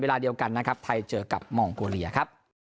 เวลาเดียวกันนะครับไทยเจอกับมองโกเลียครับ